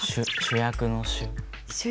主役の「主」？